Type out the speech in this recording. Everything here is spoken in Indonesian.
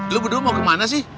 lo berdua mau kemana sih